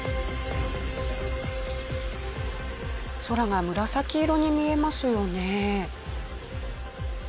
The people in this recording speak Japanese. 空が紫色に見えますよね。